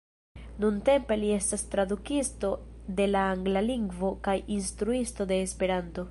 Nuntempe li estas tradukisto de la Angla Lingvo kaj Instruisto de Esperanto.